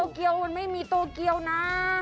เกียวมันไม่มีโตเกียวนะ